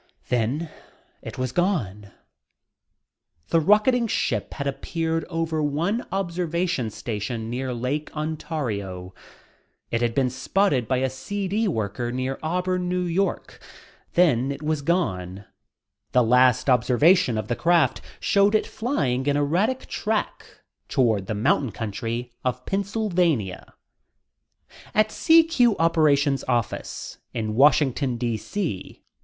Then, it was gone! The rocketing ship had appeared over one observation station near Lake Ontario. It had been spotted by a CD worker near Auburn, N.Y., then it was gone. The last observation of the craft showed it flying an erratic track toward the mountain country of Pennsylvania. At CQ operations office, in Washington D.C., Lt.